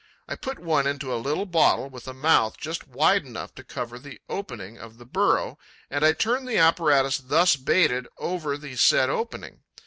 I put one into a little bottle with a mouth just wide enough to cover the opening of the burrow; and I turn the apparatus thus baited over the said opening.